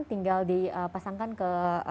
tinggal dipasangkan ke